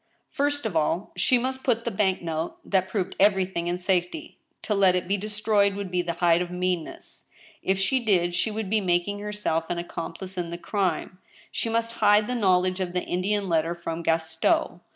First of all, she must put the bank note, that proved everything, in safety. To let it be destroyed would be the height of meanness. If she did, she would be making herself an accomplice in the crime. She must hide the knowledge of the Indian letter from Gaston.